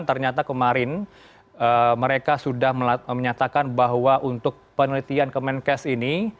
ternyata kemarin mereka sudah menyatakan bahwa untuk penelitian kemenkes ini